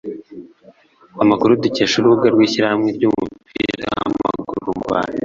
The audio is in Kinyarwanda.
Amakuru dukesha urubuga rw’Ishyirahamwe ry’umupira w’amaguru mu Rwanda